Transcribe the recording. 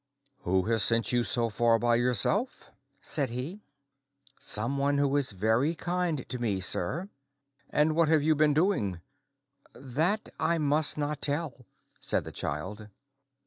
"Who has sent you so far by yourself?" said he. "Somebody who is very kind to me, sir." "And what have you been doing?" "That I must not tell," said the child.